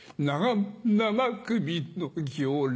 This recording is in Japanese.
生首の行列。